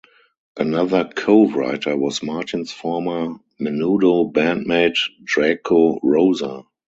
Another co-writer was Martin's former Menudo bandmate Draco Rosa.